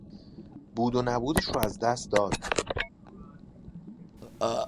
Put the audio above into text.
بود و نبودش را از دست داد.